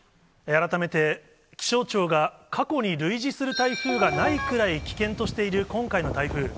改めて、気象庁が、過去に類似する台風がないくらい危険としている今回の台風。